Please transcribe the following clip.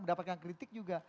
mendapatkan kritik juga